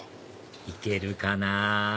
行けるかな？